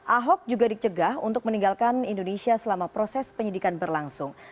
ahok juga dicegah untuk meninggalkan indonesia selama proses penyidikan berlangsung